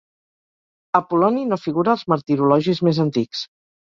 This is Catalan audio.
Apol·loni no figura als martirologis més antics.